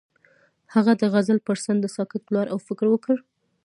هغه د غزل پر څنډه ساکت ولاړ او فکر وکړ.